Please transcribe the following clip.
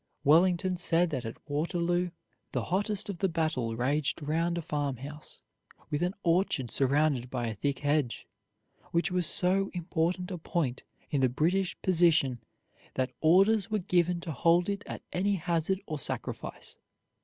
Wellington said that at Waterloo the hottest of the battle raged round a farmhouse, with an orchard surrounded by a thick hedge, which was so important a point in the British position that orders were given to hold it at any hazard or sacrifice.